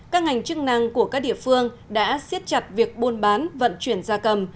các ngành chức năng của các địa phương đã siết chặt việc buôn bán vận chuyển gia cầm